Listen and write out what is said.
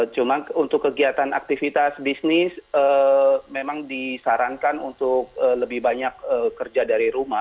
cuma untuk kegiatan aktivitas bisnis memang disarankan untuk lebih banyak kerja dari rumah